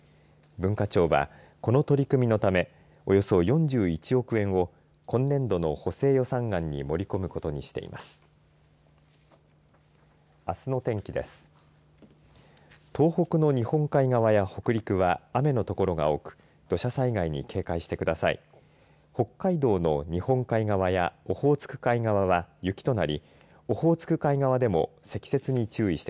文化庁は、この取り組みのためおよそ４１億円を今年度の補正予算案に盛り込むことにしています。